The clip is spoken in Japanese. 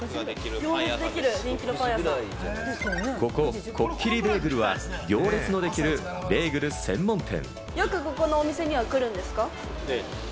ここ、コッキリベーグルは行列のできるベーグル専門店。